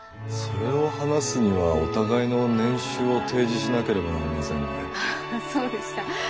それを話すにはお互いの年収を提示しなければなりませんね。